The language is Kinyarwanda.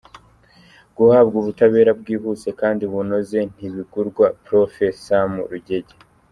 Guhabwa ubutabera bwihuse kandi bunoze ntibigurwa - Purofe Samu Rugege